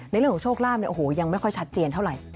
เรื่องของโชคลาภเนี่ยโอ้โหยังไม่ค่อยชัดเจนเท่าไหร่